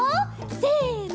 せの。